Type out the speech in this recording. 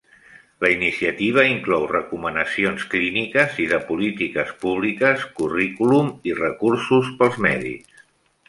La iniciativa inclou recomanacions clíniques i de polítiques públiques, currículum i recursos pels mèdics.